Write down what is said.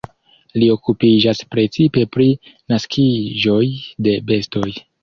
Li okupiĝas precipe pri naskiĝoj de bestoj.